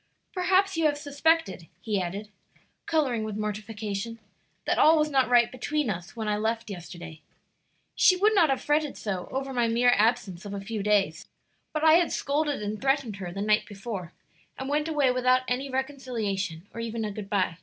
Perhaps you have suspected," he added, coloring with mortification, "that all was not right between us when I left yesterday. She would not have fretted so over my mere absence of a few days, but I had scolded and threatened her the night before, and went away without any reconciliation or even a good by.